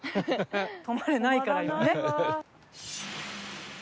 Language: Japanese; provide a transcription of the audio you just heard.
「止まれない」からよね。